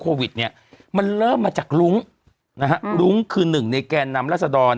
โควิดเนี่ยมันเริ่มมาจากรุ้งนะฮะรุ้งคือหนึ่งในแกนนำรัศดร